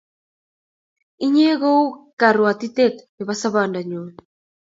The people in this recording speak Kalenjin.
inye ko u karwatitet nebo sabonda nyun